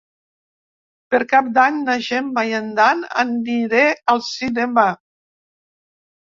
Per Cap d'Any na Gemma i en Dan aniré al cinema.